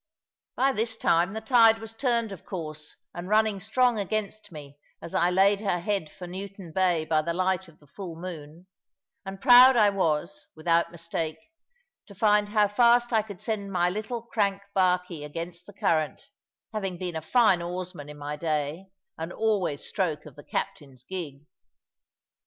By this time the tide was turned, of course, and running strong against me as I laid her head for Newton Bay by the light of the full moon; and proud I was, without mistake, to find how fast I could send my little crank barky against the current, having being a fine oarsman in my day, and always stroke of the captain's gig.